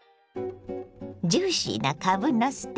ジューシーなかぶのステーキ。